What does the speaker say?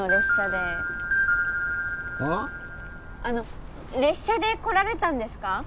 あの列車で来られたんですか？